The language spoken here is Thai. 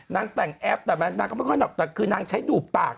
นางแต่งแอปก็ไม่ค่อยคือนางใช้ดูดปาก